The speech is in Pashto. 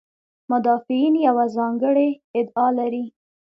مدافعین یوه ځانګړې ادعا لري.